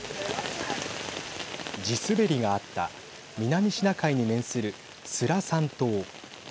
地滑りがあった南シナ海に面するスラサン島。